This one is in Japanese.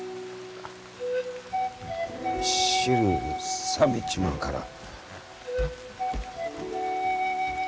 汁冷めちまうから。